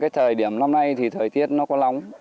thời điểm năm nay thì thời tiết nó có lóng